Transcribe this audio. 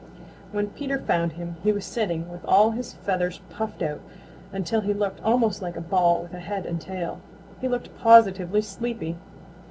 When Peter found him, he was sitting with all his feathers puffed out until he looked almost like a ball with a head and tail. He looked positively sleepy.